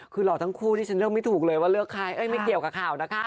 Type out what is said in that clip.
คือหล่อทั้งคู่ที่ฉันเลือกไม่ถูกเลยว่าเลือกใครเอ้ยไม่เกี่ยวกับข่าวนะคะ